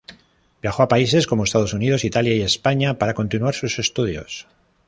Viajó a países como Estados Unidos, Italia y España para continuar sus estudios.